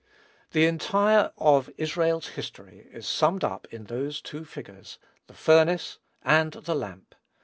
The entire of Israel's history is summed up in those two figures, the "furnace" and the "lamp."